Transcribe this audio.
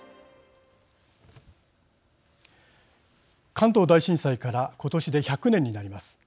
関東大震災から今年で１００年になります。